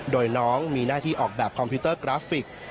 โดยน้องมีหน้าที่ออกแบบคอมพิวเตอร์กราฟิก